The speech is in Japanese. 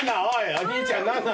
お兄ちゃん何だ？